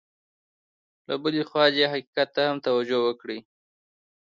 له بلې خوا دې حقیقت ته هم توجه وکړي.